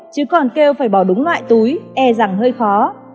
chứ còn kêu phải bỏ đúng loại túi e rằng hơi khó